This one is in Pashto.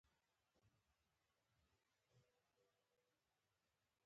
سکاره د انرژي تولید لپاره کارول کېږي.